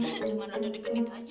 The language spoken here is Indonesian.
janganlah udah digenit aja